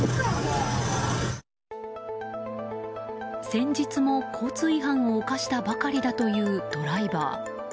先日も交通違反を犯したばかりだというドライバー。